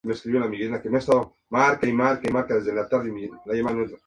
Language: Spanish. Únicamente la carne que cumple estos parámetros puede recibir el aval del Consejo.